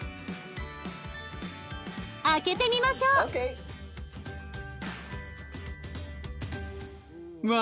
開けてみましょう！ＯＫ！わ！